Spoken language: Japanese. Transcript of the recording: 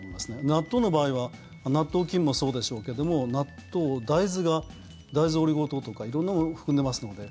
納豆の場合は納豆菌もそうでしょうけども納豆、大豆が大豆オリゴ糖とか色んなものを含んでますので。